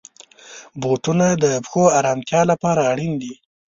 بوټونه د پښو آرامتیا لپاره اړین دي.